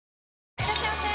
いらっしゃいませ！